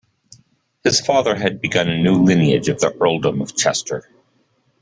His father had begun a new lineage of the earldom of Chester.